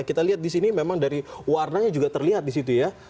kita lihat di sini memang dari warnanya juga terlihat di situ ya